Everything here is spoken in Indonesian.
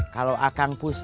kalau akang push up